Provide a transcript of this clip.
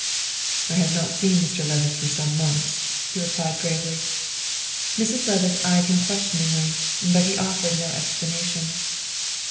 "I have not seen Mr. Levice for some months," he replied gravely. Mrs. Levice eyed him questioningly, but he offered no explanation.